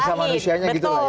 masa manusianya gitu